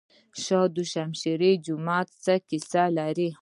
شاه دوشمشیره جومات څه کیسه لري؟